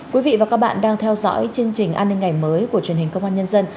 quý vị và các bạn đang theo dõi chương trình an ninh ngày mới của truyền hình công an nhân dân